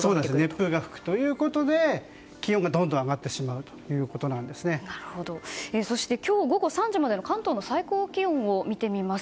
熱風が吹くということで気温が上がってしまうそして、今日午後３時までの関東の最高気温を見てみます。